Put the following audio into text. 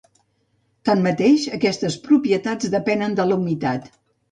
Tanmateix, aquestes propietats depenen de la humitat.